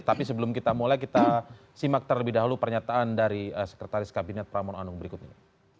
tapi sebelum kita mulai kita simak terlebih dahulu pernyataan dari sekretaris kabinet pramono anung berikut ini